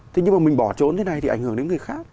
thế nhưng mà mình bỏ trốn thế này thì ảnh hưởng đến người khác